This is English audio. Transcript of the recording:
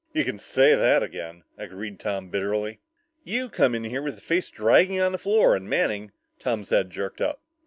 "You can say that again," agreed Tom bitterly. "You come in here with a face dragging on the floor, and Manning " Tom's head jerked up.